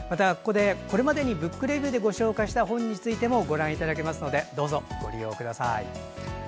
これまでに「ブックレビュー」でご紹介した本についてもご覧いただけますのでどうぞご利用ください。